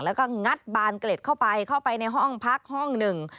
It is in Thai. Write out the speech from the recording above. แล้วก็งัดบานเกล็ดเข้าไปเข้าไปในห้องพักห้องหนึ่ง